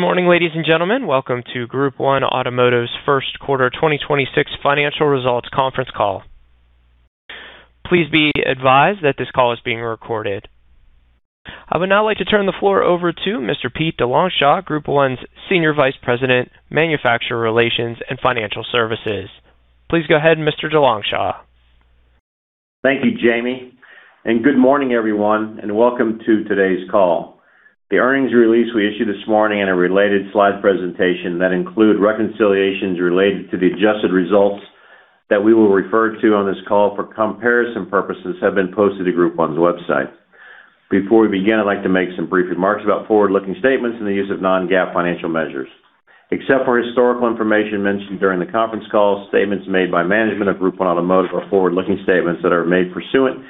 Good morning, ladies and gentlemen. Welcome to Group 1 Automotive's first quarter 2026 financial results conference call. Please be advised that this call is being recorded. I would now like to turn the floor over to Mr. Pete DeLongchamps, Group 1's Senior Vice President, Manufacturer Relations and Financial Services. Please go ahead, Mr. DeLongchamps. Thank you, Jamie, and good morning, everyone, and welcome to today's call. The earnings release we issued this morning and a related slide presentation that include reconciliations related to the adjusted results that we will refer to on this call for comparison purposes have been posted to Group 1's website. Before we begin, I'd like to make some brief remarks about forward-looking statements and the use of non-GAAP financial measures. Except for historical information mentioned during the conference call, statements made by management of Group 1 Automotive are forward-looking statements that are made pursuant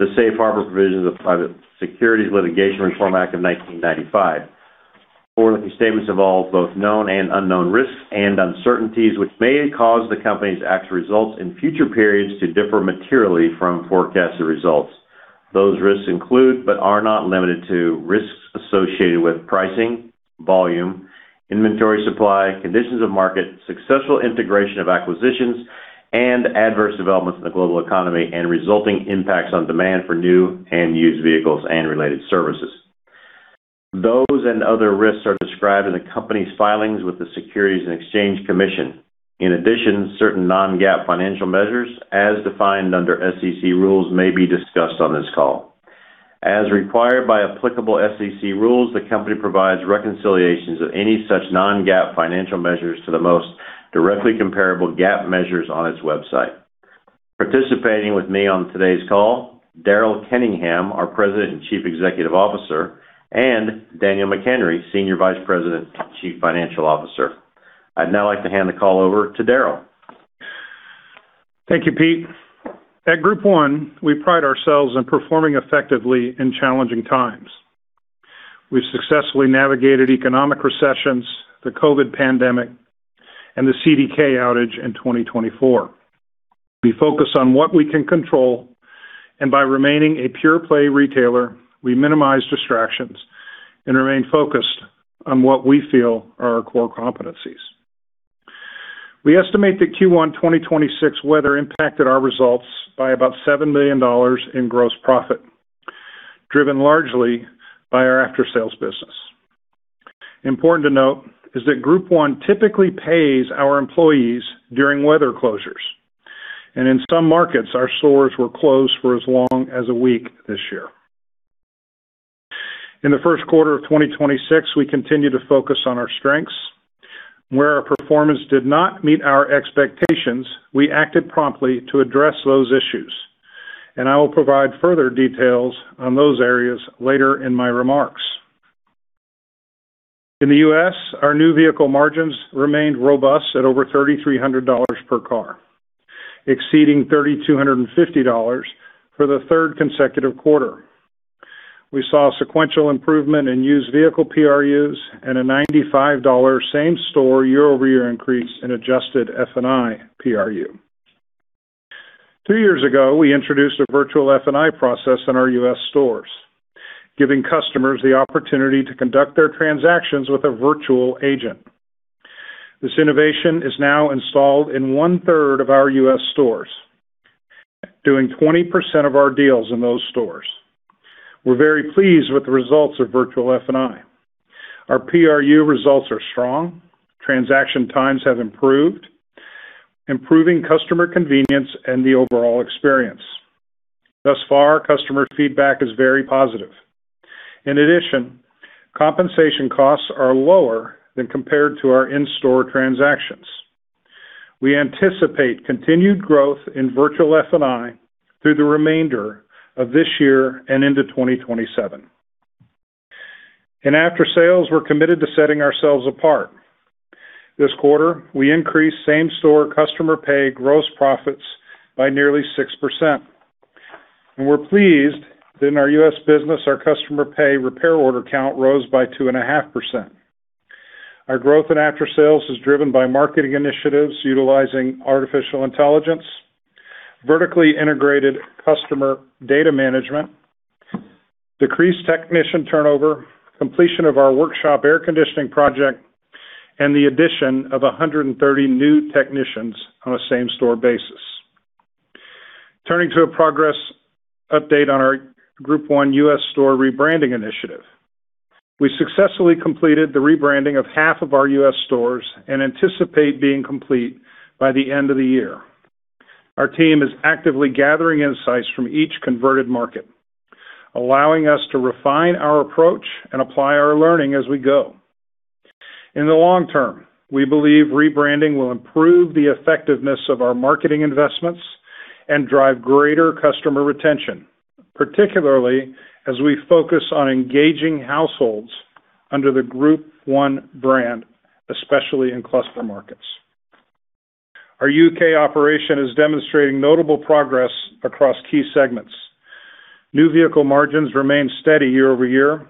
to the safe harbor provisions of Private Securities Litigation Reform Act of 1995. Forward-looking statements involve both known and unknown risks and uncertainties, which may cause the company's actual results in future periods to differ materially from forecasted results. Those risks include, but are not limited to, risks associated with pricing, volume, inventory supply, conditions of market, successful integration of acquisitions, and adverse developments in the global economy and resulting impacts on demand for new and used vehicles and related services. Those and other risks are described in the company's filings with the Securities and Exchange Commission. In addition, certain non-GAAP financial measures as defined under SEC rules may be discussed on this call. As required by applicable SEC rules, the company provides reconciliations of any such non-GAAP financial measures to the most directly comparable GAAP measures on its website. Participating with me on today's call, Daryl Kenningham, our President and Chief Executive Officer, and Daniel McHenry, Senior Vice President and Chief Financial Officer. I'd now like to hand the call over to Daryl. Thank you, Pete. At Group 1, we pride ourselves in performing effectively in challenging times. We've successfully navigated economic recessions, the COVID pandemic, and the CDK outage in 2024. We focus on what we can control. By remaining a pure-play retailer, we minimize distractions and remain focused on what we feel are our core competencies. We estimate that Q1 2026 weather impacted our results by about $7 million in gross profit, driven largely by our after-sales business. Important to note is that Group 1 typically pays our employees during weather closures, and in some markets, our stores were closed for as long as a week this year. In the first quarter of 2026, we continued to focus on our strengths. Where our performance did not meet our expectations, we acted promptly to address those issues, and I will provide further details on those areas later in my remarks. In the U.S., our new vehicle margins remained robust at over $3,300 per car, exceeding $3,250 for the third consecutive quarter. We saw sequential improvement in used vehicle PRUs and a $95 same-store year-over-year increase in adjusted F&I PRU. Two years ago, we introduced a virtual F&I process in our U.S. stores, giving customers the opportunity to conduct their transactions with a virtual agent. This innovation is now installed in one-third of our U.S. stores, doing 20% of our deals in those stores. We're very pleased with the results of virtual F&I. Our PRU results are strong. Transaction times have improved, improving customer convenience and the overall experience. Thus far, customer feedback is very positive. In addition, compensation costs are lower than compared to our in-store transactions. We anticipate continued growth in virtual F&I through the remainder of this year and into 2027. In after-sales, we're committed to setting ourselves apart. This quarter, we increased same-store customer pay gross profits by nearly 6%. We're pleased that in our U.S. business, our customer pay repair order count rose by 2.5%. Our growth in after-sales is driven by marketing initiatives utilizing artificial intelligence, vertically integrated customer data management, decreased technician turnover, completion of our workshop air conditioning project, and the addition of 130 new technicians on a same-store basis. Turning to a progress update on our Group 1 U.S. store rebranding initiative. We successfully completed the rebranding of half of our U.S. stores and anticipate being complete by the end of the year. Our team is actively gathering insights from each converted market, allowing us to refine our approach and apply our learning as we go. In the long term, we believe rebranding will improve the effectiveness of our marketing investments and drive greater customer retention, particularly as we focus on engaging households under the Group 1 brand, especially in cluster markets. Our U.K. operation is demonstrating notable progress across key segments. New vehicle margins remained steady year-over-year,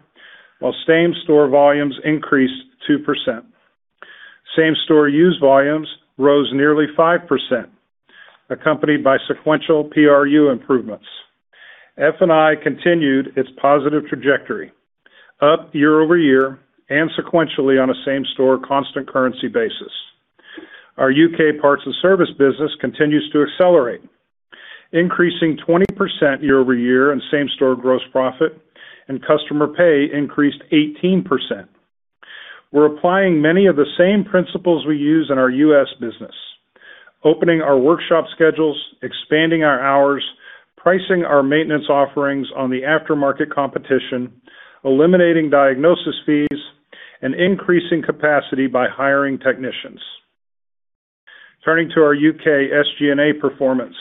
while same-store volumes increased 2%. Same-store use volumes rose nearly 5%, accompanied by sequential PRU improvements. F&I continued its positive trajectory, up year-over-year and sequentially on a same-store constant currency basis. Our U.K. parts and service business continues to accelerate, increasing 20% year-over-year in same-store gross profit, and customer pay increased 18%. We're applying many of the same principles we use in our U.S. business, opening our workshop schedules, expanding our hours, pricing our maintenance offerings on the aftermarket competition, eliminating diagnosis fees, and increasing capacity by hiring technicians. Turning to our U.K. SG&A performance,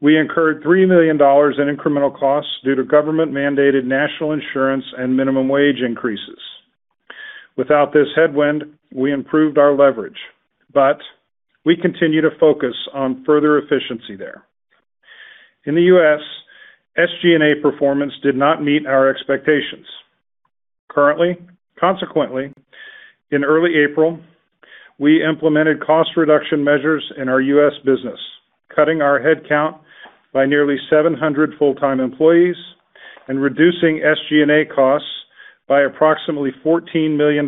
we incurred $3 million in incremental costs due to government-mandated national insurance and minimum wage increases. Without this headwind, we improved our leverage, but we continue to focus on further efficiency there. In the U.S., SG&A performance did not meet our expectations. Consequently, in early April, we implemented cost reduction measures in our U.S. business, cutting our headcount by nearly 700 full-time employees and reducing SG&A costs by approximately $14 million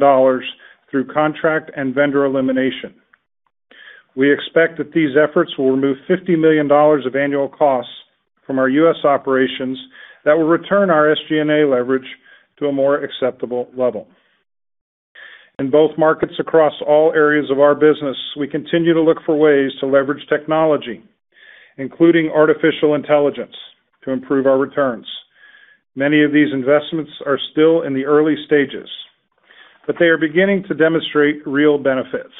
through contract and vendor elimination. We expect that these efforts will remove $50 million of annual costs from our U.S. operations that will return our SG&A leverage to a more acceptable level. In both markets across all areas of our business, we continue to look for ways to leverage technology, including artificial intelligence, to improve our returns. Many of these investments are still in the early stages, but they are beginning to demonstrate real benefits.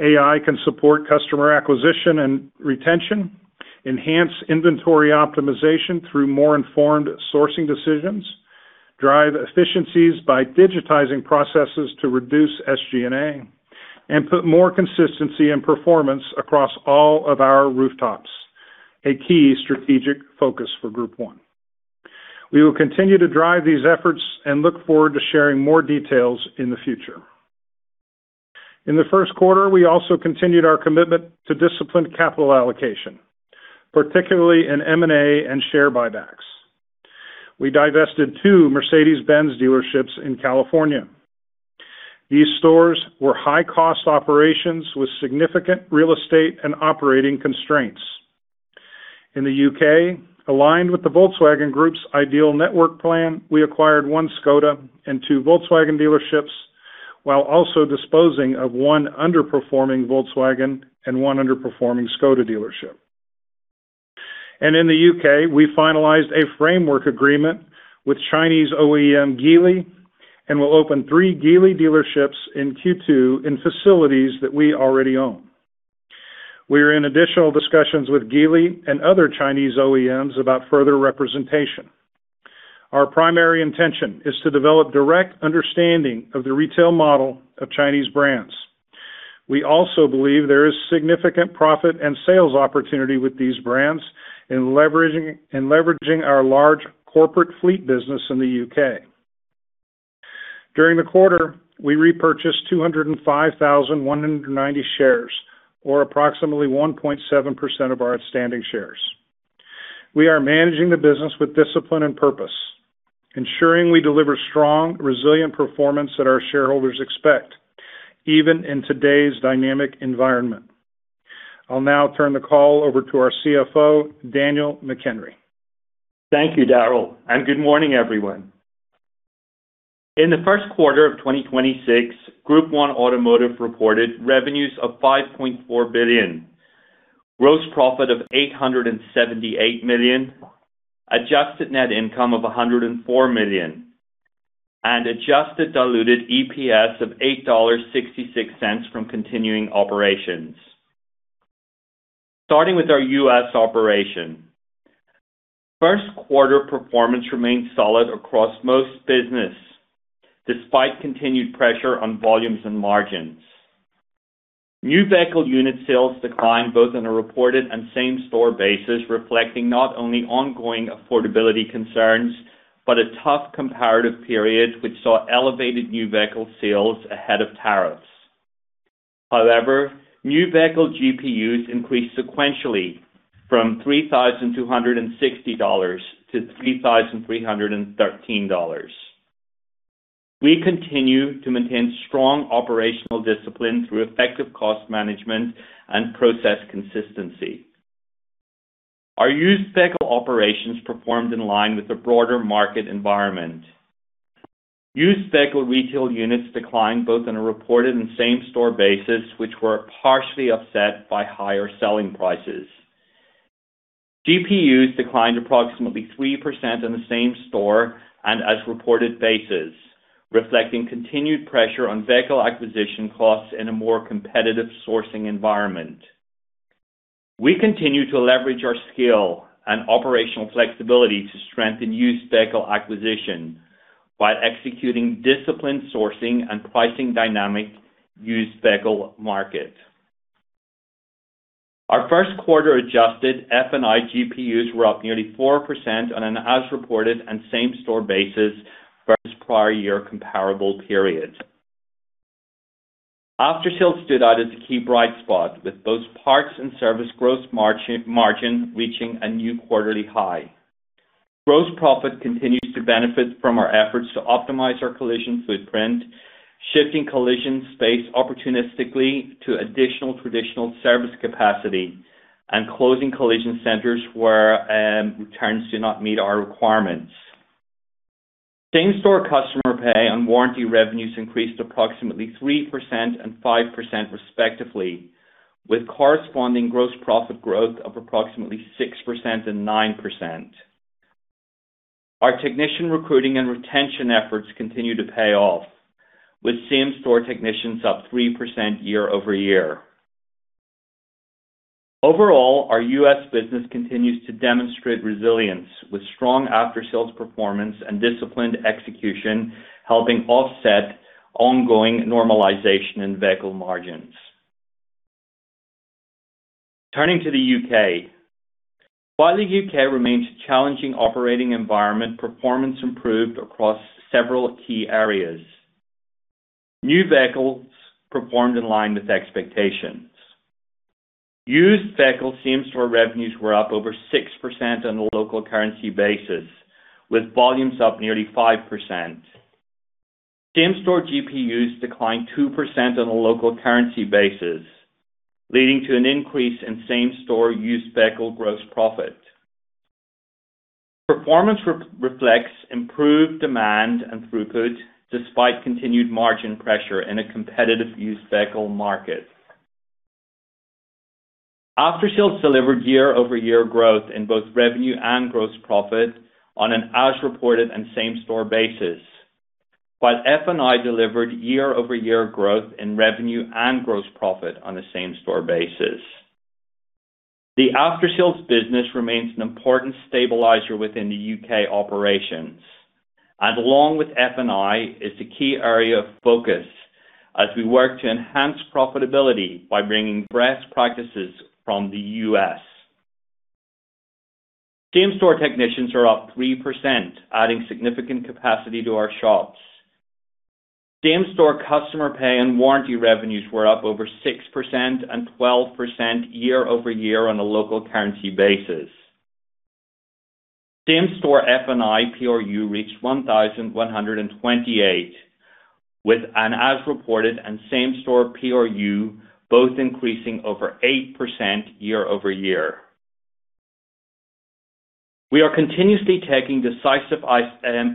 AI can support customer acquisition and retention, enhance inventory optimization through more informed sourcing decisions, drive efficiencies by digitizing processes to reduce SG&A, and put more consistency and performance across all of our rooftops, a key strategic focus for Group 1. We will continue to drive these efforts and look forward to sharing more details in the future. In the 1st quarter, we also continued our commitment to disciplined capital allocation, particularly in M&A and share buybacks. We divested two Mercedes-Benz dealerships in California. These stores were high-cost operations with significant real estate and operating constraints. In the U.K., aligned with the Volkswagen Group's ideal network plan, we acquired one Škoda and two Volkswagen dealerships while also disposing of one underperforming Volkswagen and one underperforming Škoda dealership. In the U.K., we finalized a framework agreement with Chinese OEM Geely, and we'll open three Geely dealerships in Q2 in facilities that we already own. We are in additional discussions with Geely and other Chinese OEMs about further representation. Our primary intention is to develop direct understanding of the retail model of Chinese brands. We also believe there is significant profit and sales opportunity with these brands in leveraging our large corporate fleet business in the U.K. During the quarter, we repurchased 205,190 shares, or approximately 1.7% of our outstanding shares. We are managing the business with discipline and purpose, ensuring we deliver strong, resilient performance that our shareholders expect, even in today's dynamic environment. I'll now turn the call over to our CFO, Daniel McHenry. Thank you, Daryl, and good morning, everyone. In the first quarter of 2026, Group 1 Automotive reported revenues of $5.4 billion, gross profit of $878 million, adjusted net income of $104 million, and adjusted diluted EPS of $8.66 from continuing operations. Starting with our U.S. operation, first quarter performance remained solid across most business despite continued pressure on volumes and margins. New vehicle unit sales declined both on a reported and same-store basis, reflecting not only ongoing affordability concerns, but a tough comparative period which saw elevated new vehicle sales ahead of tariffs. However, new vehicle GPUs increased sequentially from $3,260 to $3,313. We continue to maintain strong operational discipline through effective cost management and process consistency. Our used vehicle operations performed in line with the broader market environment. Used vehicle retail units declined both on a reported and same-store basis, which were partially offset by higher selling prices. GPUs declined approximately 3% on the same store and as reported basis, reflecting continued pressure on vehicle acquisition costs in a more competitive sourcing environment. We continue to leverage our scale and operational flexibility to strengthen used vehicle acquisition while executing disciplined sourcing and pricing dynamic used vehicle market. Our first quarter adjusted F&I GPUs were up nearly 4% on an as-reported and same-store basis versus prior year comparable periods. Aftersales stood out as a key bright spot, with both parts and service gross margin reaching a new quarterly high. Gross profit continues to benefit from our efforts to optimize our collision footprint, shifting collision space opportunistically to additional traditional service capacity and closing collision centers where returns do not meet our requirements. Same-store customer pay and warranty revenues increased approximately 3% and 5% respectively, with corresponding gross profit growth of approximately 6% and 9%. Our technician recruiting and retention efforts continue to pay off, with same-store technicians up 3% year-over-year. Overall, our U.S. business continues to demonstrate resilience, with strong aftersales performance and disciplined execution helping offset ongoing normalization in vehicle margins. Turning to the U.K. While the U.K. remains a challenging operating environment, performance improved across several key areas. New vehicles performed in line with expectations. Used vehicle same store revenues were up over 6% on a local currency basis, with volumes up nearly 5%. Same-store GPUs declined 2% on a local currency basis, leading to an increase in same-store used vehicle gross profit. Performance re-reflects improved demand and throughput despite continued margin pressure in a competitive used vehicle market. Aftersales delivered year-over-year growth in both revenue and gross profit on an as-reported and same-store basis, while F&I delivered year-over-year growth in revenue and gross profit on a same-store basis. The aftersales business remains an important stabilizer within the U.K. operations, and along with F&I, is a key area of focus as we work to enhance profitability by bringing best practices from the U.S. Same-store technicians are up 3%, adding significant capacity to our shops. Same-store customer pay and warranty revenues were up over 6% and 12% year-over-year on a local currency basis. Same store F&I PRU reached $1,128, with an as-reported and same-store PRU both increasing over 8% year-over-year. We are continuously taking decisive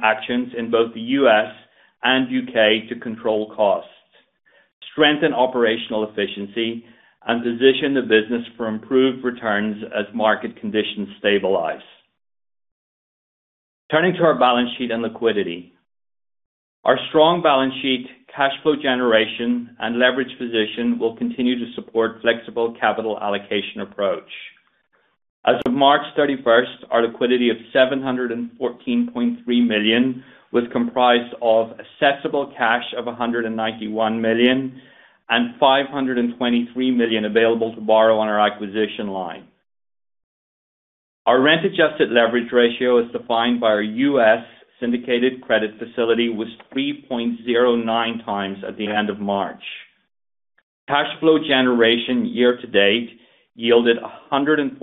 actions in both the U.S. and U.K. to control costs, strengthen operational efficiency, and position the business for improved returns as market conditions stabilize. Turning to our balance sheet and liquidity. Our strong balance sheet, cash flow generation, and leverage position will continue to support flexible capital allocation approach. As of March 31st, our liquidity of $714.3 million was comprised of accessible cash of $191 million and $523 million available to borrow on our acquisition line. Our rent-adjusted leverage ratio, as defined by our U.S. syndicated credit facility, was 3.09 times at the end of March. Cash flow generation year to date yielded $147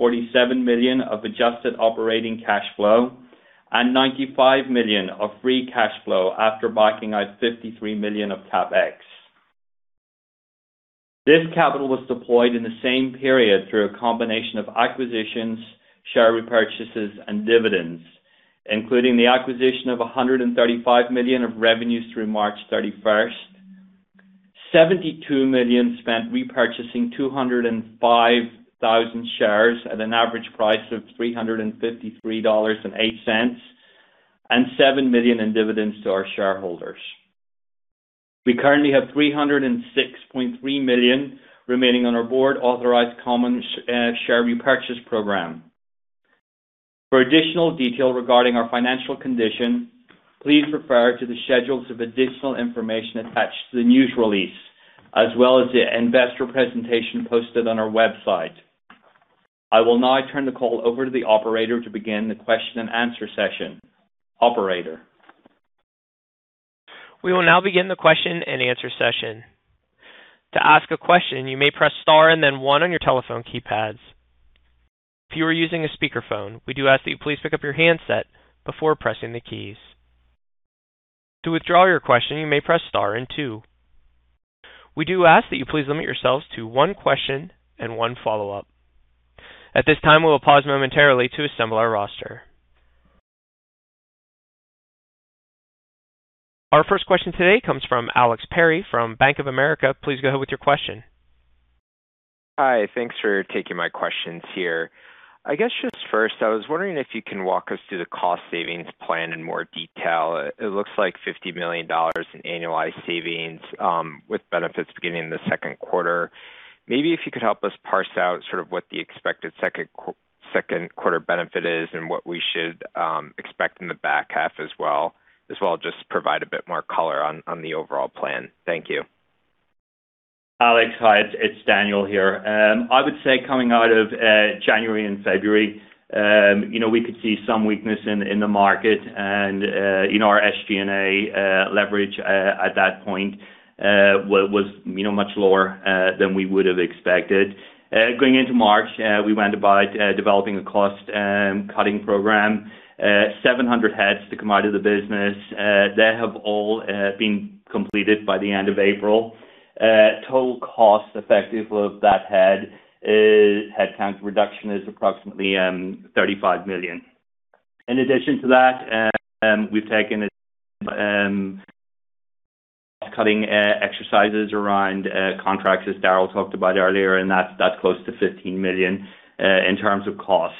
million of adjusted operating cash flow and $95 million of free cash flow after backing out $53 million of CapEx. This capital was deployed in the same period through a combination of acquisitions, share repurchases, and dividends, including the acquisition of $135 million of revenues through March 31st, $72 million spent repurchasing 205,000 shares at an average price of $353.08, and $7 million in dividends to our shareholders. We currently have $306.3 million remaining on our board-authorized common share repurchase program. For additional detail regarding our financial condition, please refer to the schedules of additional information attached to the news release, as well as the investor presentation posted on our website. I will now turn the call over to the operator to begin the question and answer session. Operator. We will now begin the question and answer session. To ask a question, you may press star and then one on your telephone keypads. If you are using a speakerphone, we do ask that you please pick up your handset before pressing the keys. To withdraw your question, you may press star and two. We do ask that you please limit yourselves to one question and one follow-up. At this time, we will pause momentarily to assemble our roster. Our first question today comes from Alex Perry from Bank of America. Please go ahead with your question. Hi. Thanks for taking my questions here. I guess just first, I was wondering if you can walk us through the cost savings plan in more detail. It looks like $50 million in annualized savings, with benefits beginning in the second quarter. Maybe if you could help us parse out sort of what the expected second quarter benefit is and what we should expect in the back half as well just provide a bit more color on the overall plan. Thank you. Alex, hi, it's Daniel here. I would say coming out of January and February, you know, we could see some weakness in the market and in our SG&A leverage at that point was, you know, much lower than we would have expected. Going into March, we went about developing a cost cutting program, 700 heads to come out of the business. They have all been completed by the end of April. Total cost effective of that headcount reduction is approximately $35 million. In addition to that, we've taken a cutting exercises around contracts as Daryl talked about earlier, and that's close to $15 million in terms of cost.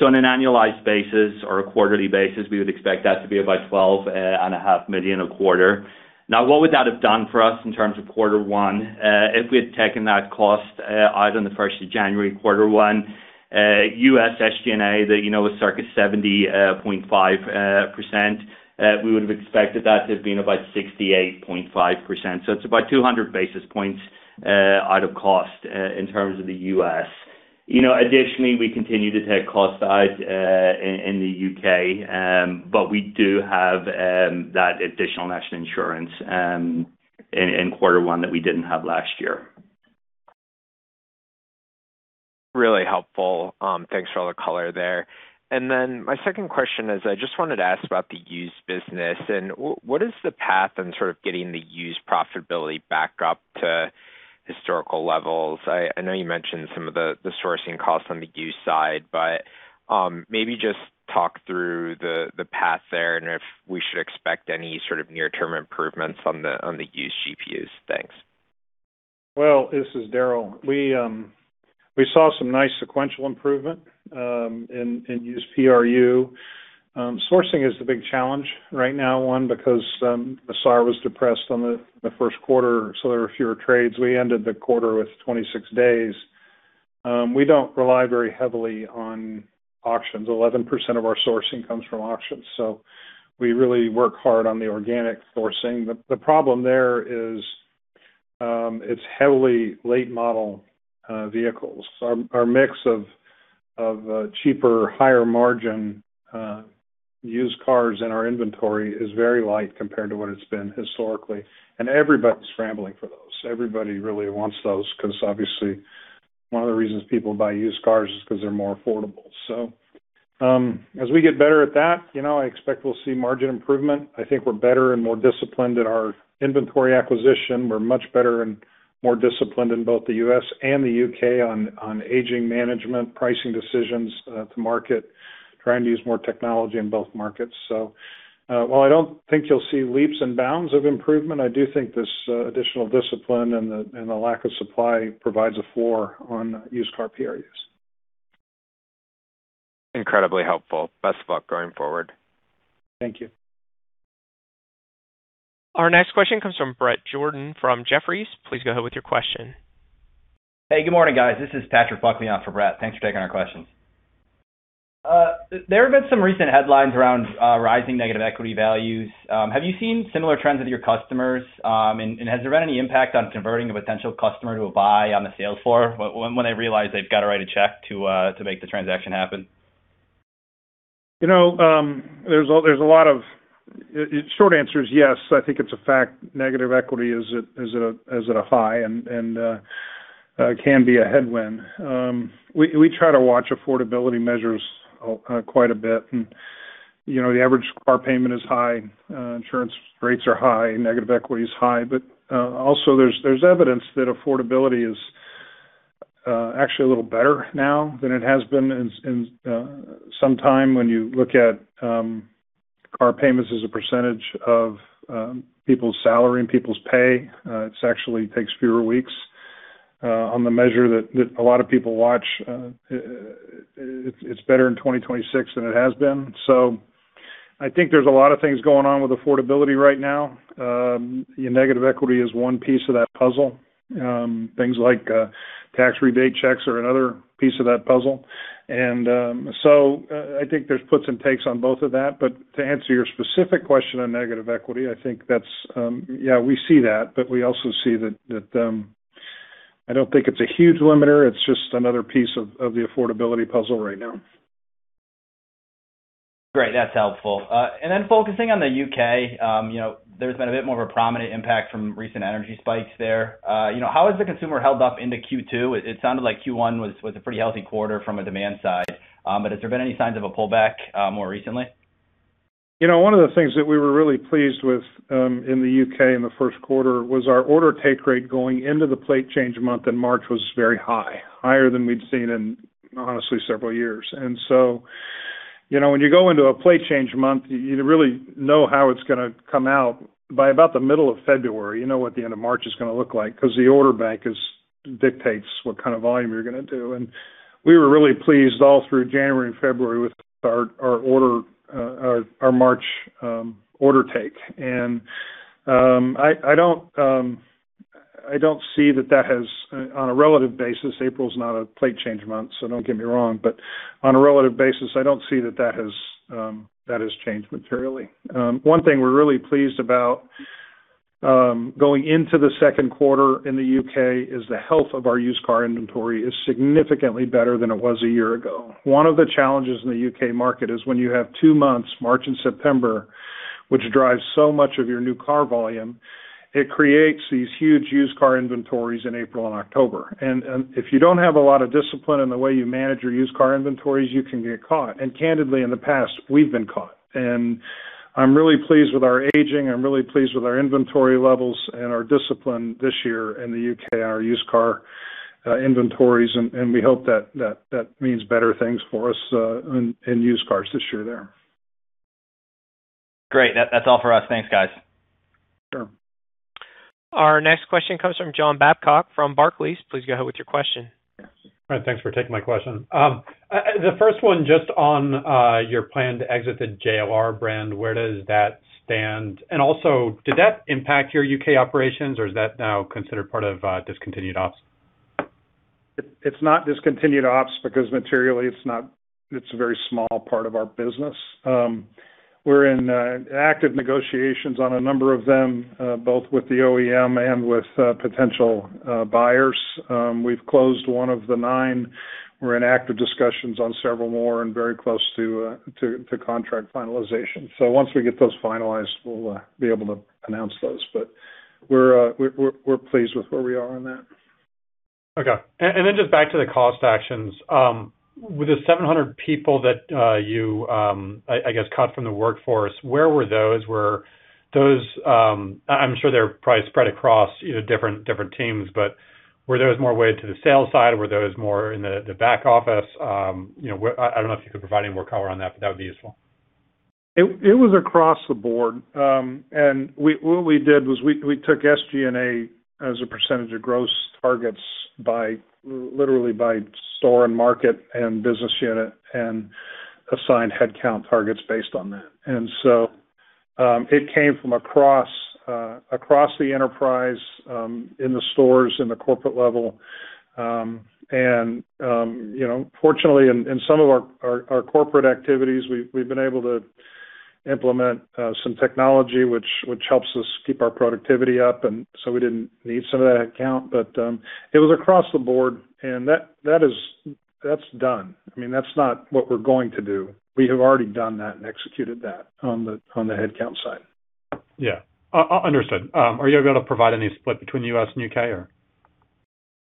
On an annualized basis or a quarterly basis, we would expect that to be about $12.5 million a quarter. Now, what would that have done for us in terms of Q1? If we had taken that cost out on January 1 Q1, U.S. SG&A that, you know, was circa 70.5%, we would have expected that to have been about 68.5%. It's about 200 basis points out of cost in terms of the U.S. You know, additionally, we continue to take cost out in the U.K., but we do have that additional National Insurance in Q1 that we didn't have last year. Really helpful. Thanks for all the color there. My second question is, I just wanted to ask about the used business. What is the path on sort of getting the used profitability back up to historical levels? I know you mentioned some of the sourcing costs on the used side, but maybe just talk through the path there and if we should expect any sort of near-term improvements on the used GPUs. Thanks. Well, this is Daryl. We saw some nice sequential improvement in used PRU. Sourcing is the big challenge right now, one, because the SAR was depressed on the first quarter, there were fewer trades. We ended the quarter with 26 days. We don't rely very heavily on auctions. 11% of our sourcing comes from auctions, we really work hard on the organic sourcing. The problem there is, it's heavily late model vehicles. Our mix of cheaper, higher margin used cars in our inventory is very light compared to what it's been historically, everybody's scrambling for those. Everybody really wants those 'cause obviously one of the reasons people buy used cars is 'cause they're more affordable. As we get better at that, you know, I expect we'll see margin improvement. I think we're better and more disciplined at our inventory acquisition. We're much better and more disciplined in both the U.S. and the U.K. on aging management, pricing decisions, to market, trying to use more technology in both markets. While I don't think you'll see leaps and bounds of improvement, I do think this additional discipline and the lack of supply provides a floor on used car PRUs. Incredibly helpful. Best of luck going forward. Thank you. Our next question comes from Brett Jordan from Jefferies. Please go ahead with your question. Hey, good morning, guys. This is Patrick Buckley on for Brett. Thanks for taking our questions. There have been some recent headlines around rising negative equity values. Have you seen similar trends with your customers? Has there been any impact on converting a potential customer to a buy on the sales floor when they realize they've got to write a check to make the transaction happen? You know, short answer is yes. I think it's a fact negative equity is at a high and can be a headwind. We try to watch affordability measures quite a bit. You know, the average car payment is high, insurance rates are high, negative equity is high. Also there's evidence that affordability is actually a little better now than it has been in some time. When you look at car payments as a percentage of people's salary and people's pay, it's actually takes fewer weeks on the measure that a lot of people watch. It's better in 2026 than it has been. I think there's a lot of things going on with affordability right now. Negative equity is one piece of that puzzle. Things like tax rebate checks are another piece of that puzzle. I think there's puts and takes on both of that. To answer your specific question on negative equity, I think that's, yeah, we see that, but we also see that, I don't think it's a huge limiter. It's just another piece of the affordability puzzle right now. Great. That's helpful. Then focusing on the U.K., you know, there's been a bit more of a prominent impact from recent energy spikes there. You know, how has the consumer held up into Q2? It sounded like Q1 was a pretty healthy quarter from a demand side. Has there been any signs of a pullback more recently? You know, one of the things that we were really pleased with, in the U.K. in the first quarter was our order take rate going into the plate change month in March was very high, higher than we'd seen in honestly several years. You know, when you go into a plate change month, you really know how it's gonna come out. By about the middle of February, you know what the end of March is gonna look like 'cause the order bank dictates what kind of volume you're gonna do. We were really pleased all through January and February with our order, our March order take. I don't see that that has, on a relative basis, April's not a plate change month, don't get me wrong. On a relative basis, I don't see that that has changed materially. One thing we're really pleased about going into the second quarter in the U.K. is the health of our used car inventory is significantly better than it was a year ago. One of the challenges in the U.K. market is when you have two months, March and September, which drives so much of your new car volume, it creates these huge used car inventories in April and October. If you don't have a lot of discipline in the way you manage your used car inventories, you can get caught. Candidly, in the past, we've been caught. I'm really pleased with our aging, I'm really pleased with our inventory levels and our discipline this year in the U.K. on our used car inventories, and we hope that means better things for us in used cars this year there. Great. That's all for us. Thanks, guys. Sure. Our next question comes from John Babcock from Barclays. Please go ahead with your question. All right. Thanks for taking my question. The first one just on your plan to exit the JLR brand, where does that stand? Also, did that impact your U.K. operations, or is that now considered part of discontinued ops? It's not discontinued ops because materially it's a very small part of our business. We're in active negotiations on a number of them, both with the OEM and with potential buyers. We've closed one of the nine. We're in active discussions on several more and very close to contract finalization. Once we get those finalized, we'll be able to announce those. We're pleased with where we are on that. Okay. Then just back to the cost actions. With the 700 people that you guess cut from the workforce, where were those? Were those, I'm sure they're probably spread across, you know, different teams, but were those more weighed to the sales side? Were those more in the back office? You know, I don't know if you could provide any more color on that, but that would be useful. It was across the board. What we did was we took SG&A as a percentage of gross targets by literally by store and market and business unit and assigned headcount targets based on that. It came from across across the enterprise in the stores, in the corporate level. You know, fortunately, in some of our corporate activities, we've been able to implement some technology which helps us keep our productivity up, we didn't need some of that count. It was across the board, and that is that's done. I mean, that's not what we're going to do. We have already done that and executed that on the headcount side. Yeah. Understood. Are you able to provide any split between U.S. and U.K. or?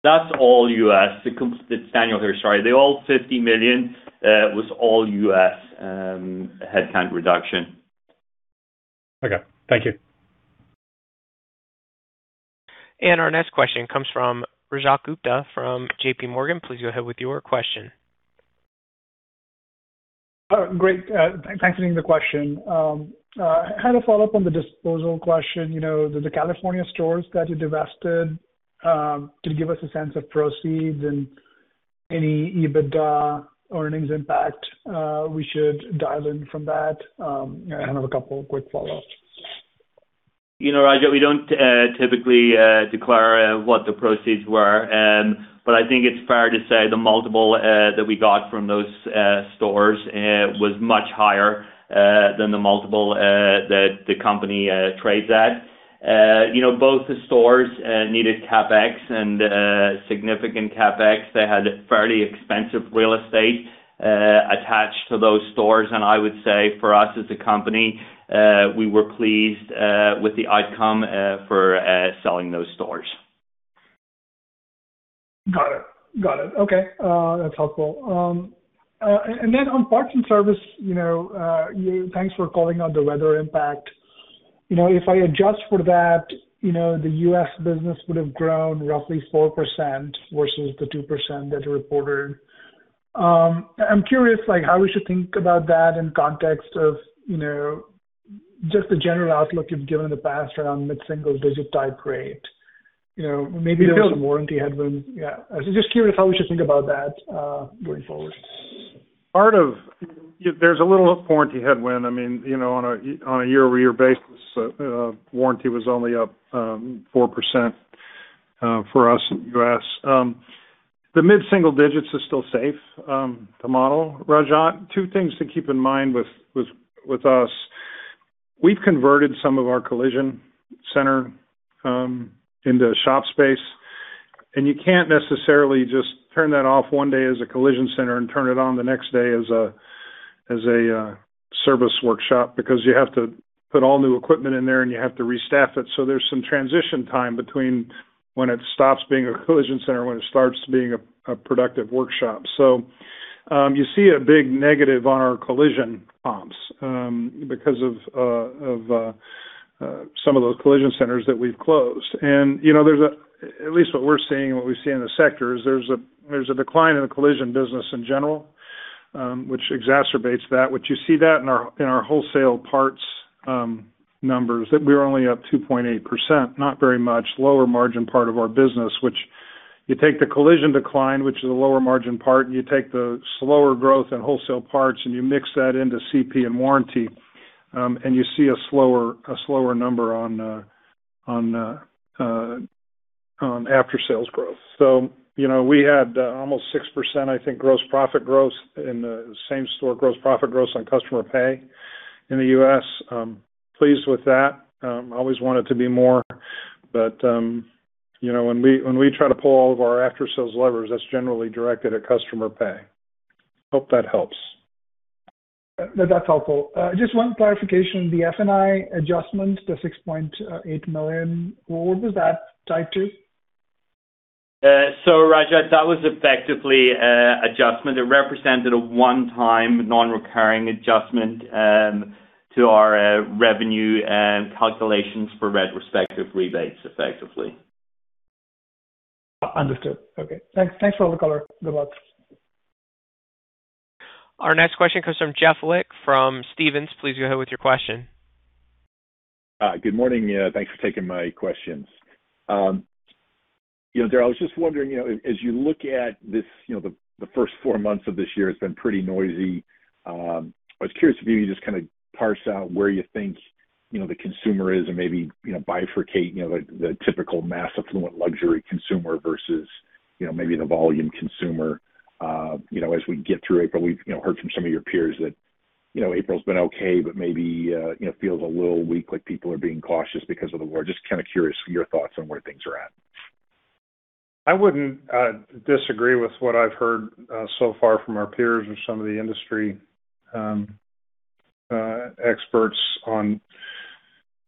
That's all U.S. It's Daniel here, sorry. The all $50 million was all U.S. headcount reduction. Okay. Thank you. Our next question comes from Rajat Gupta from JPMorgan. Please go ahead with your question. Great. Thanks for taking the question. Kind of follow up on the disposal question, you know, the California stores that you divested, could you give us a sense of proceeds and any EBITDA earnings impact we should dial in from that? I have a couple of quick follow-ups. You know, Rajat, we don't typically declare what the proceeds were. I think it's fair to say the multiple that we got from those stores was much higher than the multiple that the company trades at. You know, both the stores needed CapEx and significant CapEx. They had fairly expensive real estate attached to those stores. I would say for us as a company, we were pleased with the outcome for selling those stores. Got it. Got it. Okay. That's helpful. On parts and service, you know, thanks for calling out the weather impact. You know, if I adjust for that, you know, the U.S. business would have grown roughly 4% versus the 2% that you reported. I'm curious, like how we should think about that in context of, you know, just the general outlook you've given in the past around mid-single-digit type rate. You know, maybe there was some warranty headwinds. I was just curious how we should think about that going forward. There's a little warranty headwind. I mean, you know, on a year-over-year basis, warranty was only up 4% for us in U.S. The mid-single digits is still safe, the model, Rajat. Two things to keep in mind with us. We've converted some of our collision center into shop space, and you can't necessarily just turn that off one day as a collision center and turn it on the next day as a service workshop because you have to put all new equipment in there, and you have to restaff it. There's some transition time between when it stops being a collision center, when it starts being a productive workshop. You see a big negative on our collision comps because of some of those collision centers that we've closed. You know, at least what we're seeing and what we see in the sector is there's a decline in the collision business in general, which exacerbates that, which you see that in our wholesale parts numbers. We were only up 2.8%, not very much. Lower margin part of our business. You take the collision decline, which is a lower margin part, and you take the slower growth in wholesale parts, and you mix that into CP and warranty, and you see a slower number on after-sales growth. You know, we had almost 6%, I think, gross profit growth in the same store, gross profit growth on customer pay in the U.S. Pleased with that. Always want it to be more, you know, when we, when we try to pull all of our after-sales levers, that's generally directed at customer pay. Hope that helps. That's helpful. Just one clarification. The F&I adjustment, the $6.8 million, what was that tied to? Rajat, that was effectively adjustment. It represented a one-time non-recurring adjustment to our revenue and calculations for retrospective rebates, effectively. Understood. Okay. Thanks for all the color. Good luck. Our next question comes from Jeff Lick from Stephens Inc. Please go ahead with your question. Good morning. Yeah, thanks for taking my questions. You know, Daryl, I was just wondering, you know, as you look at this, you know, the first 4 months of this year has been pretty noisy. I was curious if you could just kinda parse out where you think, you know, the consumer is or maybe, you know, bifurcate, you know, the typical mass affluent luxury consumer versus, you know, maybe the volume consumer. You know, as we get through April, we've, you know, heard from some of your peers that, you know, April's been okay, but maybe, you know, feels a little weak, like people are being cautious because of the war. Just kinda curious for your thoughts on where things are at. I wouldn't disagree with what I've heard so far from our peers or some of the industry experts on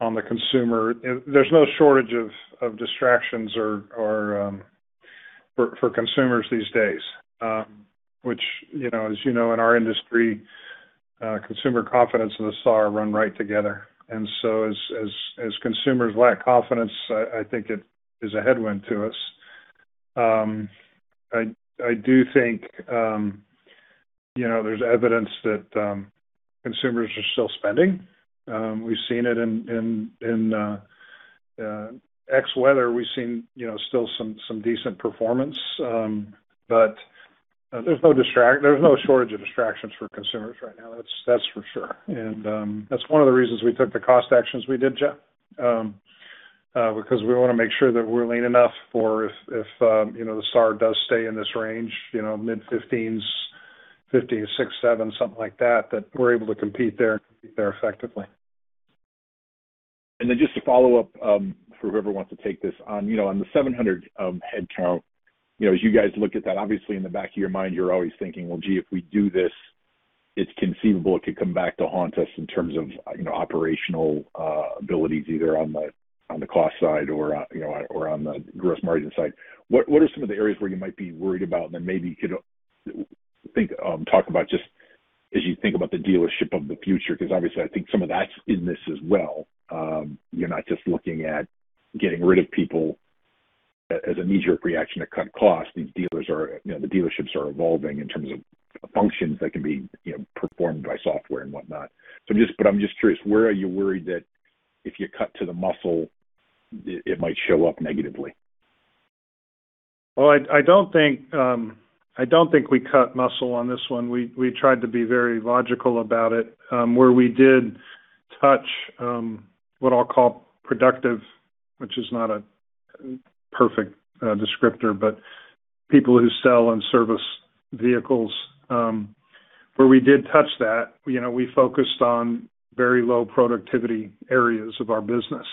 the consumer. There's no shortage of distractions for consumers these days. Which, you know, as you know, in our industry, consumer confidence and the SAAR run right together. As consumers lack confidence, I think it is a headwind to us. I do think, you know, there's evidence that consumers are still spending. We've seen it in ex-weather, we've seen, you know, still some decent performance. There's no shortage of distractions for consumers right now. That's for sure. That's one of the reasons we took the cost actions we did, Jeff. Because we wanna make sure that we're lean enough for if, you know, the SAAR does stay in this range, you know, mid-fifteens, 15.6, 15.7, something like that we're able to compete there, and compete there effectively. Just to follow up, for whoever wants to take this. On, you know, on the 700, headcount, you know, as you guys look at that, obviously in the back of your mind, you're always thinking, "Well, gee, if we do this, it's conceivable it could come back to haunt us in terms of, you know, operational abilities either on the cost side or, you know, or on the gross margin side." What are some of the areas where you might be worried about? Maybe you could think, talk about just as you think about the dealership of the future, 'cause obviously I think some of that's in this as well. You're not just looking at getting rid of people as a knee-jerk reaction to cut costs. These dealers are, you know, the dealerships are evolving in terms of functions that can be, you know, performed by software and whatnot. I'm just curious, where are you worried that if you cut to the muscle, it might show up negatively? I don't think, I don't think we cut muscle on this one. We, we tried to be very logical about it. Where we did touch, what I'll call productive, which is not a perfect descriptor, but people who sell and service vehicles, where we did touch that, you know, we focused on very low productivity areas of our business.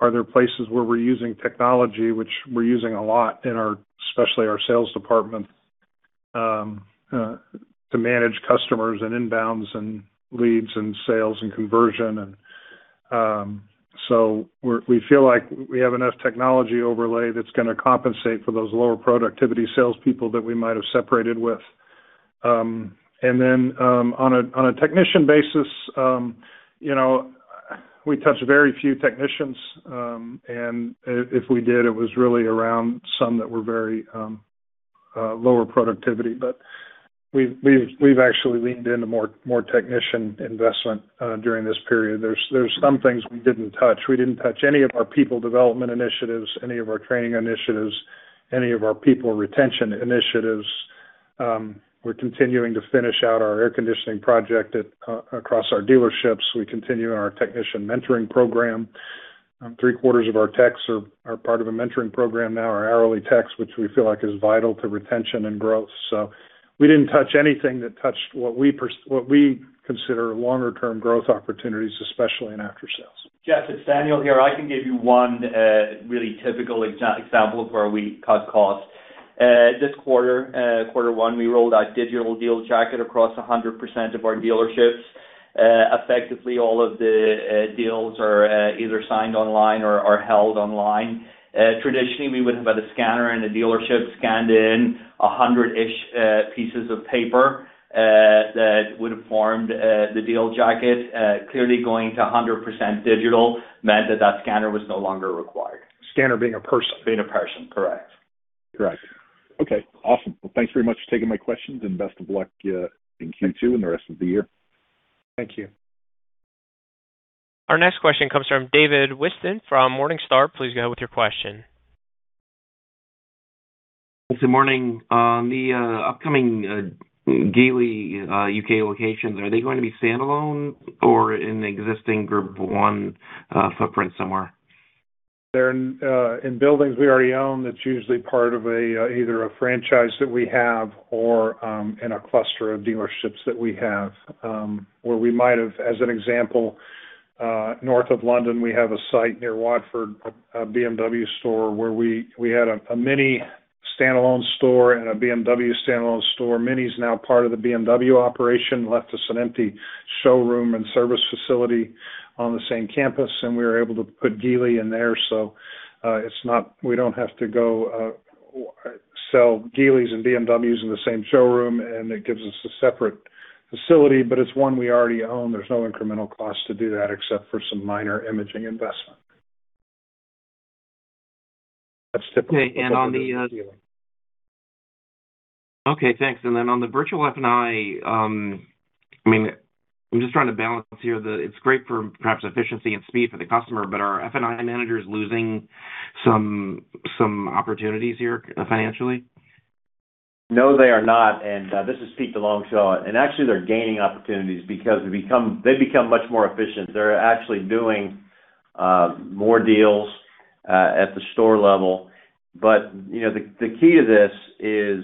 Are there places where we're using technology, which we're using a lot in our, especially our sales department, to manage customers and inbounds and leads and sales and conversion. We feel like we have enough technology overlay that's gonna compensate for those lower productivity salespeople that we might have separated with. On a technician basis, you know, we touched very few technicians, and if we did, it was really around some that were very, lower productivity. We've actually leaned into more technician investment during this period. There's some things we didn't touch. We didn't touch any of our people development initiatives, any of our training initiatives, any of our people retention initiatives. We're continuing to finish out our air conditioning project across our dealerships. We continue our technician mentoring program. Three-quarters of our techs are part of a mentoring program now, our hourly techs, which we feel like is vital to retention and growth. We didn't touch anything that touched what we consider longer term growth opportunities, especially in after sales. Jeff, it's Daniel here. I can give you one really typical example of where we cut costs. This quarter, Q1, we rolled out digital deal jacket across 100% of our dealerships. Effectively all of the deals are either signed online or held online. Traditionally, we would have had a scanner in the dealership scanned in 100-ish pieces of paper that would have formed the deal jacket. Clearly going to 100% digital meant that that scanner was no longer required. Scanner being a person. Being a person, correct. Correct. Okay, awesome. Well, thanks very much for taking my questions, and best of luck in Q2 and the rest of the year. Thank you. Our next question comes from David Whiston from Morningstar. Please go with your question. Good morning. The upcoming Geely U.K. locations, are they going to be standalone or in existing Group 1 footprint somewhere? They're in buildings we already own, that's usually part of a either a franchise that we have or in a cluster of dealerships that we have, where we might have, as an example, North of London, we have a site near Watford, a BMW store where we had a Mini standalone store and a BMW standalone store. Mini is now part of the BMW operation. It left us an empty showroom and service facility on the same campus, and we were able to put Geely in there. We don't have to go sell Geelys and BMWs in the same showroom, and it gives us a separate facility, but it's one we already own. There's no incremental cost to do that except for some minor imaging investment. Okay. On the... Okay, thanks. On the virtual F&I mean, I'm just trying to balance here. It's great for perhaps efficiency and speed for the customer, but are F&I managers losing some opportunities here financially? No, they are not. This is Pete DeLongchamps. Actually, they're gaining opportunities because they become much more efficient. They're actually doing more deals at the store level. You know, the key to this is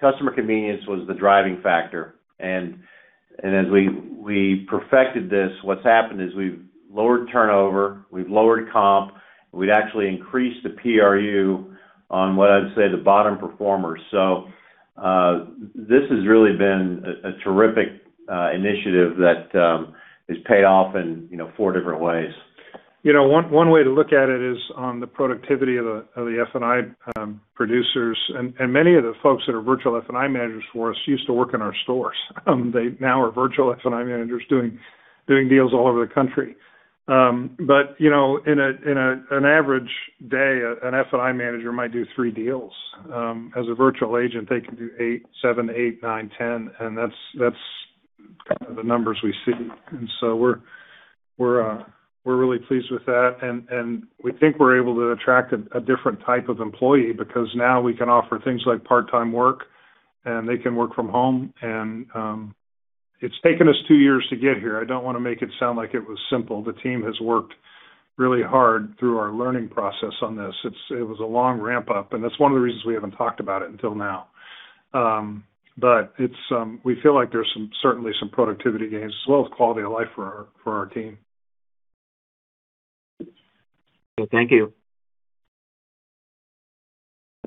customer convenience was the driving factor. As we perfected this, what's happened is we've lowered turnover, we've lowered comp, we've actually increased the PRU on what I'd say, the bottom performers. This has really been a terrific initiative that has paid off in, you know, four different ways. You know, one way to look at it is on the productivity of the F&I producers. Many of the folks that are virtual F&I managers for us used to work in our stores. They now are virtual F&I managers doing deals all over the country. You know, in an average day, an F&I manager might do three deals. As a virtual agent, they can do eight, seven, eight, nine, 10, and that's kind of the numbers we see. We're really pleased with that. We think we're able to attract a different type of employee because now we can offer things like part-time work and they can work from home. It's taken us two years to get here. I don't wanna make it sound like it was simple. The team has worked really hard through our learning process on this. It was a long ramp-up, and that's one of the reasons we haven't talked about it until now. We feel like there's certainly some productivity gains as well as quality of life for our team. Okay, thank you.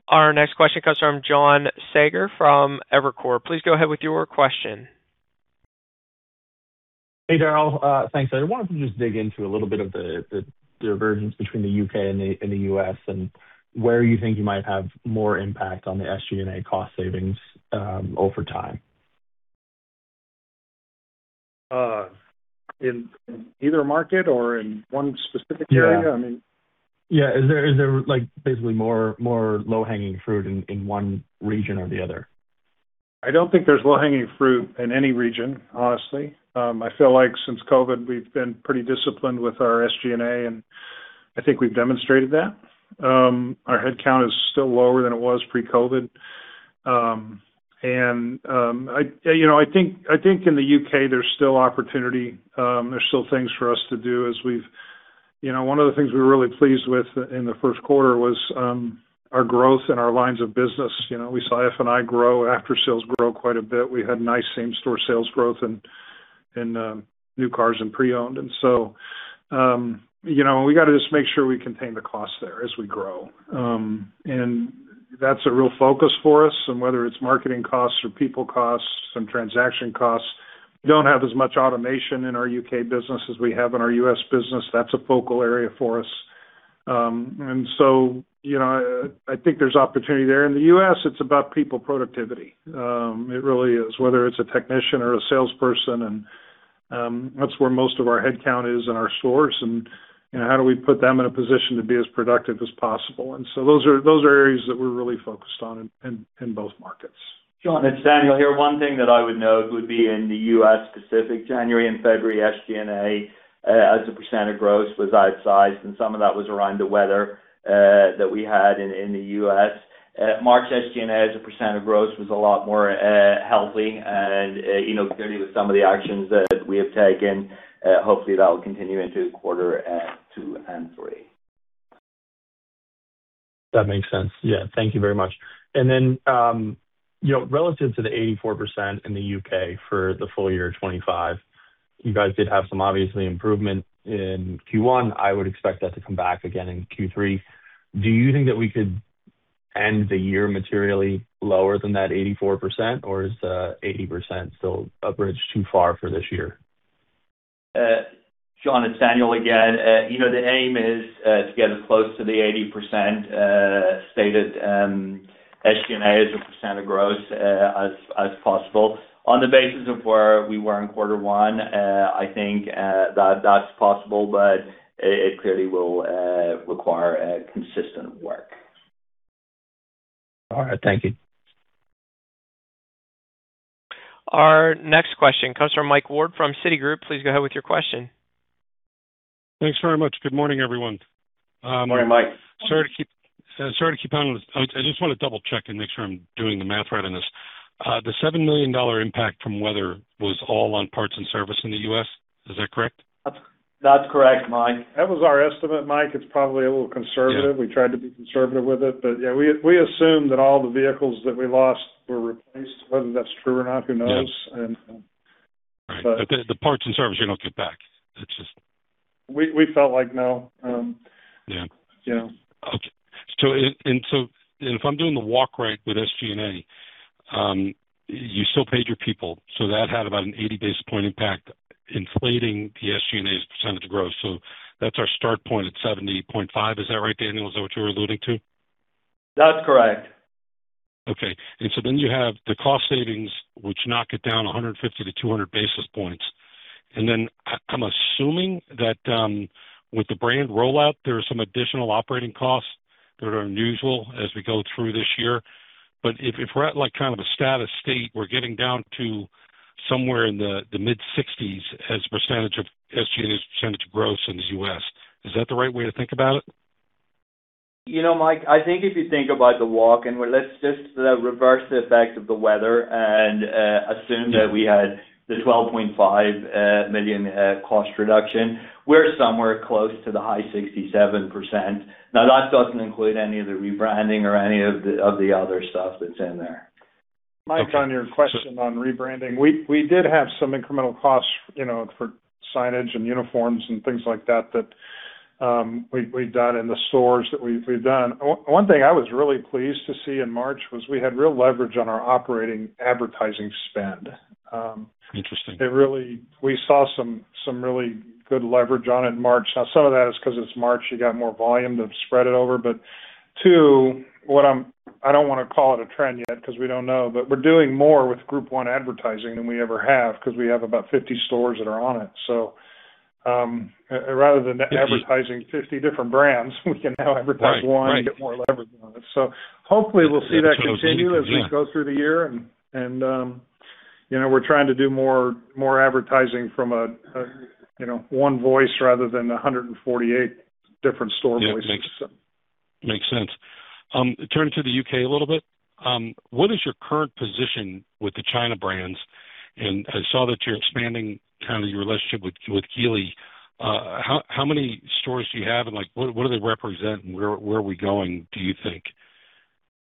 Our next question comes from John Saager from Evercore. Please go ahead with your question. Hey, Daryl. Thanks. I wanted to just dig into a little bit of the, the divergence between the U.K. and the, and the U.S., and where you think you might have more impact on the SG&A cost savings over time. In either market or in one specific area? Yeah. Is there, like, basically more low-hanging fruit in one region or the other? I don't think there's low-hanging fruit in any region, honestly. I feel like since COVID, we've been pretty disciplined with our SG&A, and I think we've demonstrated that. Our headcount is still lower than it was pre-COVID. I, you know, I think in the U.K. there's still opportunity. There's still things for us to do as we've. You know, one of the things we were really pleased with in the first quarter was our growth in our lines of business. You know, we saw F&I grow, after-sales grow quite a bit. We had nice same-store sales growth in new cars and pre-owned. You know, we gotta just make sure we contain the cost there as we grow. That's a real focus for us. Whether it's marketing costs or people costs, some transaction costs, we don't have as much automation in our U.K. business as we have in our U.S. business. That's a focal area for us. You know, I think there's opportunity there. In the U.S., it's about people productivity. It really is. Whether it's a technician or a salesperson, and that's where most of our headcount is in our stores, and, you know, how do we put them in a position to be as productive as possible. Those are areas that we're really focused on in both markets. John, it's Daniel here. One thing that I would note would be in the U.S. specific, January and February SG&A as a % of growth was outsized, some of that was around the weather that we had in the U.S. March SG&A, as a % of growth, was a lot more healthy. You know, clearly with some of the actions that we have taken, hopefully that will continue into quarter two and three. That makes sense. Yeah. Thank you very much. You know, relative to the 84% in the U.K. for the full year of 2025, you guys did have some obviously improvement in Q1. I would expect that to come back again in Q3. Do you think that we could end the year materially lower than that 84%, or is 80% still a bridge too far for this year? John, it's Daniel again. You know, the aim is to get as close to the 80% stated SG&A as a percent of growth as possible. On the basis of where we were in quarter one, I think that that's possible, but it clearly will require consistent work. All right, thank you. Our next question comes from Michael Ward from Citigroup. Please go ahead with your question. Thanks very much. Good morning, everyone. Good morning, Mike. Sorry to keep on with this. I just wanna double-check and make sure I'm doing the math right on this. The $7 million impact from weather was all on parts and service in the U.S. Is that correct? That's correct, Mike. That was our estimate, Mike. It's probably a little conservative. Yeah. We tried to be conservative with it. Yeah, we assume that all the vehicles that we lost were replaced. Whether that's true or not, who knows? Yeah. And, um... Right. The parts and service you don't get back. It's just. We felt like no. Yeah. Yeah. Okay. If I'm doing the walk right with SG&A, you still paid your people, so that had about an 80 basis point impact inflating the SG&A's percentage of growth. That's our start point at 70.5. Is that right, Daniel? Is that what you're alluding to? That's correct. Okay. You have the cost savings, which knock it down 150 to 200 basis points. I'm assuming that with the brand rollout, there are some additional operating costs that are unusual as we go through this year. If we're at kind of a status state, we're getting down to somewhere in the mid-60s as % of SG&A's % of gross in the U.S. Is that the right way to think about it? You know, Mike, I think if you think about the walk and where let's just reverse the effect of the weather and assume that we had the $12.5 million cost reduction, we're somewhere close to the high 67%. That doesn't include any of the rebranding or any of the, of the other stuff that's in there. Okay. Mike, on your question on rebranding, we did have some incremental costs, you know, for signage and uniforms and things like that we've done in the stores that we've done. One thing I was really pleased to see in March was we had real leverage on our operating advertising spend. Interesting. We saw some really good leverage on in March. Some of that is because it's March, you got more volume to spread it over. two, what I don't want to call it a trend yet because we don't know, but we're doing more with Group 1 advertising than we ever have because we have about 50 stores that are on it. Rather than advertising 50 different brands, we can now advertise one. Right. Right. and get more leverage on it. Hopefully we'll see that continue as we go through the year. You know, we're trying to do more advertising from a, you know, one voice rather than 148 different store voices. Yeah. Makes sense. Turning to the U.K. a little bit, what is your current position with the China brands? I saw that you're expanding kind of your relationship with Geely. How many stores do you have? Like, what do they represent and where are we going, do you think?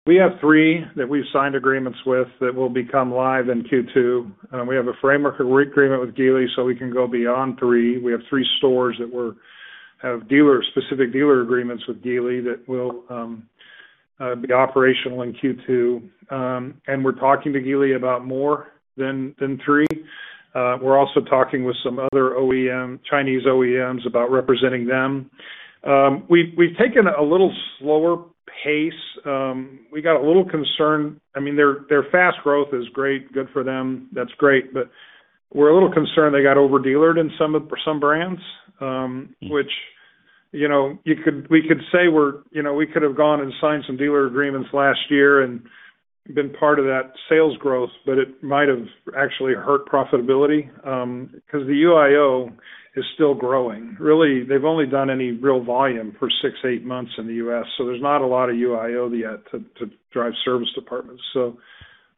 We have three that we've signed agreements with that will become live in Q2. We have a framework agreement with Geely, we can go beyond three. We have three stores that have specific dealer agreements with Geely that will be operational in Q2. We're talking to Geely about more than three. We're also talking with some other OEM, Chinese OEMs about representing them. We've taken a little slower pace. We got a little concerned. I mean, their fast growth is great. Good for them. That's great. We're a little concerned they got over-dealered in some of, some brands, which, you know, we could say we're, you know, we could have gone and signed some dealer agreements last year and been part of that sales growth, but it might have actually hurt profitability, 'cause the UIO is still growing. Really, they've only done any real volume for six, eight months in the U.S. There's not a lot of UIO yet to drive service departments.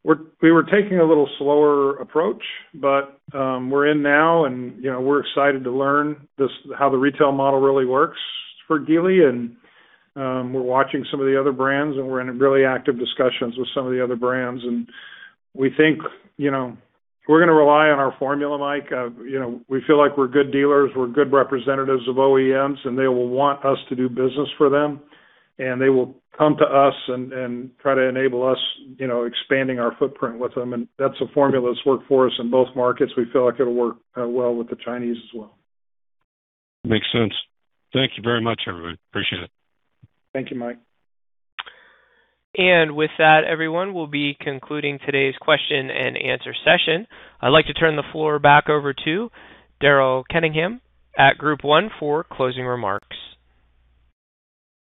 We're, we were taking a little slower approach. We're in now and, you know, we're excited to learn this, how the retail model really works for Geely. We're watching some of the other brands, and we're in really active discussions with some of the other brands. We think, you know, we're gonna rely on our formula, Mike. You know, we feel like we're good dealers, we're good representatives of OEMs. They will want us to do business for them, and they will come to us and try to enable us, you know, expanding our footprint with them. That's a formula that's worked for us in both markets. We feel like it'll work well with the Chinese as well. Makes sense. Thank you very much, everyone. Appreciate it. Thank you, Mike. With that, everyone, we'll be concluding today's question and answer session. I'd like to turn the floor back over to Daryl Kenningham at Group 1 for closing remarks.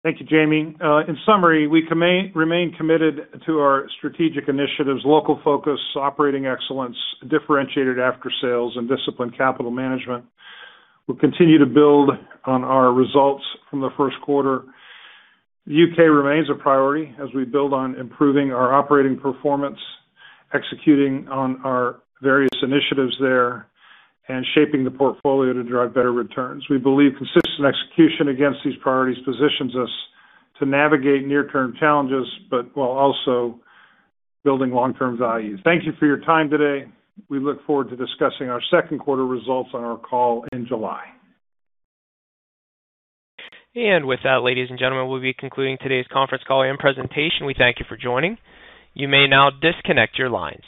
Thank you, Jamie. In summary, we remain committed to our strategic initiatives, local focus, operating excellence, differentiated after sales and disciplined capital management. We'll continue to build on our results from the first quarter. The U.K. remains a priority as we build on improving our operating performance, executing on our various initiatives there, and shaping the portfolio to drive better returns. We believe consistent execution against these priorities positions us to navigate near-term challenges, while also building long-term value. Thank you for your time today. We look forward to discussing our second quarter results on our call in July. With that, ladies and gentlemen, we'll be concluding today's conference call and presentation. We thank you for joining. You may now disconnect your lines.